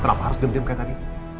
kenapa harus diam diam kayak tadi